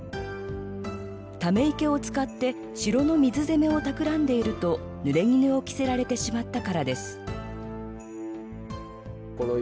ため池を使って城の水攻めをたくらんでいるとぬれぎぬを着せられてしまったからです。